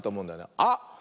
あっ！